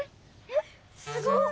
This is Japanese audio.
えっすごい！